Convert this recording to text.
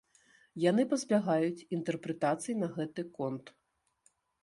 Яны пазбягаюць інтэрпрэтацый на гэты конт.